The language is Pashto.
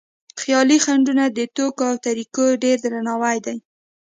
خیالي خنډونه د توکو او طریقو ډېر درناوی دی.